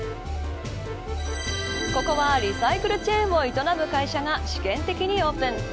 ここはリサイクルチェーンを営む会社が試験的にオープン。